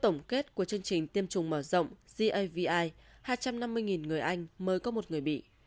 tổng kết của chương trình tiêm chủng mở rộng cavi hai trăm năm mươi người anh mới có một người bị